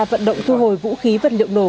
vận động thu hồi vũ khí vật liệu nổ